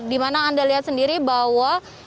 di mana anda lihat sendiri bahwa